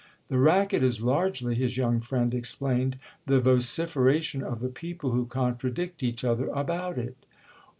"The racket is largely," his young friend explained, "the vociferation of the people who contradict each other about it."